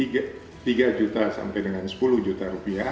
rp tiga juta sampai dengan rp sepuluh juta